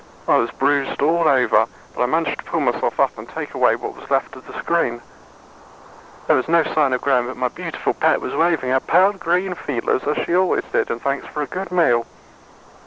I was bruised all over, but I managed to pull myself up and take away what was left of the screen. There was no sign of Gremm, but my beautiful pet was waving her pearl green feelers as she always did in thanks for a good meal.